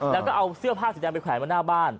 แล้วก็เอาเสื้อผ้าสีแดงไปแขวนมาหน้าบ้าน